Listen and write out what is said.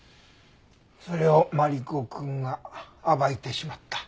それをマリコくんが暴いてしまった。